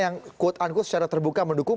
yang quote unquote secara terbuka mendukung